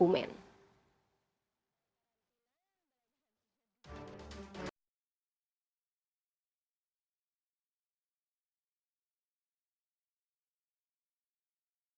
sebelumnya sejumlah lemari yang diduga berisi dokumen